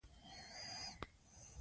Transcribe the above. ملالۍ د چوپان لور وه.